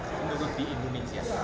menurut di indonesia